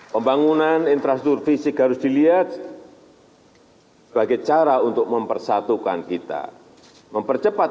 pembangunan infrastruktur fisik harus dilihat sebagai cara untuk mempersatukan kita mempercepat